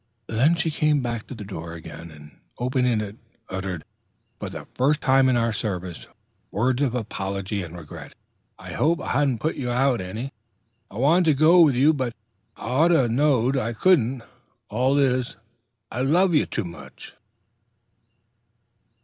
Then she came back to the door again, and opening it, uttered, for the first time in our service, words of apology and regret: "I hope I ha'n't put you out any. I wanted to go with you, but I ought to knowed I couldn't. All is, I loved you too much."